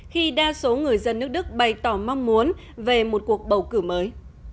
khi đa số người dân nước đức bày tỏ mong muốn về một cuộc bầu cử mới